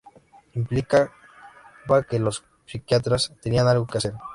Implicaba que los psiquiatras tenían algo que hacer.